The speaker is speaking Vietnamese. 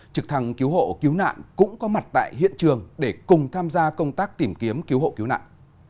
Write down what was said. trực thăng cứu hộ cứu nạn cũng có mặt tại hiện trường để cùng tham gia công tác tìm kiếm cứu hộ cứu nạn